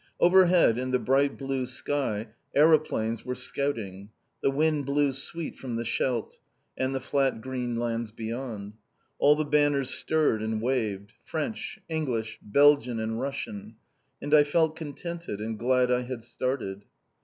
Overhead, in the bright blue sky, aeroplanes were scouting. The wind blew sweet from the Scheldt, and the flat green lands beyond. All the banners stirred and waved. French, English, Belgian and Russian. And I felt contented, and glad I had started.